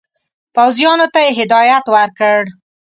پوځیانو ته یې هدایت ورکړ.